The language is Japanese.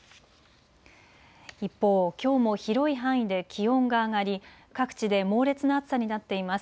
一方、きょうも広い範囲で気温が上がり各地で猛烈な暑さになっています。